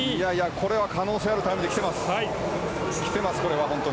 これは可能性あるタイムで来てます。